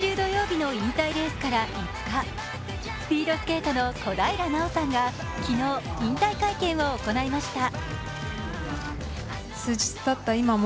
先週土曜日の引退レースから５日スピードスケートの小平奈緒さんが昨日、引退会見を行いました。